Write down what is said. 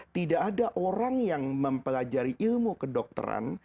tidak ada orang yang mempelajari ilmu kedokteran